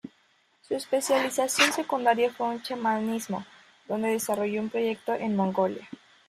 Su especialización secundaria fue en chamanismo, donde desarrolló un proyecto en Mongolia.